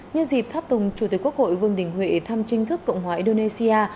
nhân dịp tháp tùng chủ tịch quốc hội vương đình huệ thăm chính thức cộng hòa indonesia